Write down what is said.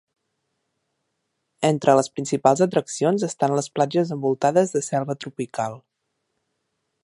Entre les principals atraccions estan les platges envoltades de selva tropical.